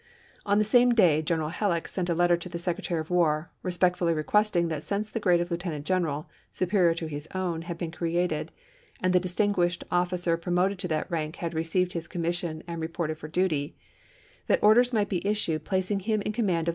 On the same day General Halleck sent a letter to the Secretary of War, respectfully requesting that since the grade of lieutenant general, superior to his own, had been created, and the distinguished officer promoted to that rank had received his com mission and reported for duty, that orders might 1 There is a singular parallel before.